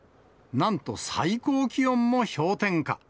なんと、最高気温も氷点下。